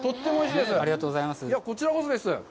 いや、こちらこそです。